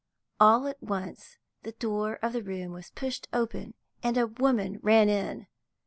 All at once the door of the room was pushed open, and a woman ran in.